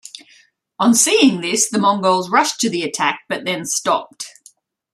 On seeing this, the Mongols rushed to the attack, but then stopped.